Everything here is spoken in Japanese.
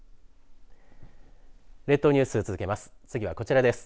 列島ニュース、続けます。